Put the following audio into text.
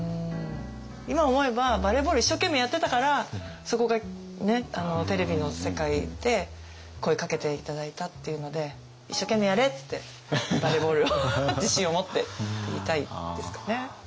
今思えばバレーボール一生懸命やってたからそこがねテレビの世界で声かけて頂いたっていうので「一生懸命やれ！」って「バレーボールを自信を持って」って言いたいですかね。